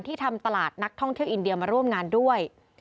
ทำตลาดนักท่องเที่ยวอินเดียมาร่วมงานด้วย